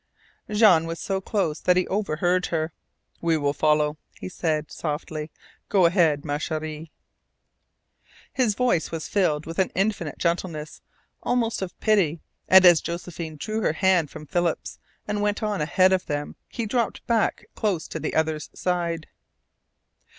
Jean was so close that he overheard her. "We will follow," he said softly. "Go ahead, ma cheri." His voice was filled with an infinite gentleness, almost of pity; and as Josephine drew her hand from Philip's and went on ahead of them he dropped back close to the other's side.